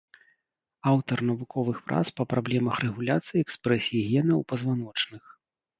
Аўтар навуковых прац па праблемах рэгуляцыі экспрэсіі гена ў пазваночных.